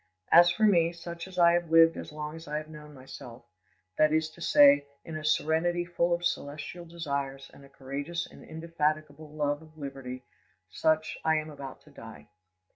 "As for me, such as I have lived as long as I have known myself—that is to say, in a serenity full of celestial desires and a courageous and indefatigable love of liberty, such I am about to die.